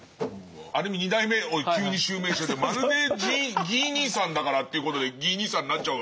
ある意味２代目を急に襲名しててまるでギー兄さんだからっていうことでギー兄さんになっちゃうわけでしょ。